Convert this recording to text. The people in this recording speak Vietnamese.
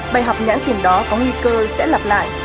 bài học nhãn tiền đó có nguy cơ sẽ lặp lại